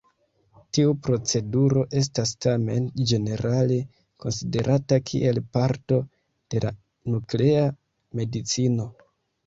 Tiu proceduro estas tamen ĝenerale konsiderata kiel parto de la Nuklea Medicino.